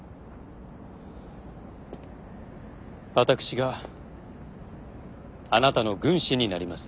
私があなたの軍師になります。